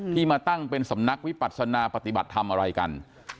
ที่มาตั้งเป็นสำนักวิปัศนาปฏิบัติทำอะไรกัน